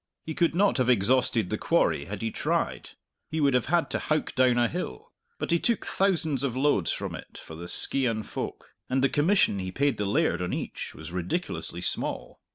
He could not have exhausted the quarry had he tried he would have had to howk down a hill but he took thousands of loads from it for the Skeighan folk; and the commission he paid the laird on each was ridiculously small.